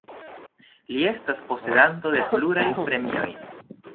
Li estas posedanto de pluraj premioj.